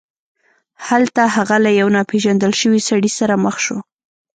هلته هغه له یو ناپيژندل شوي سړي سره مخ شو.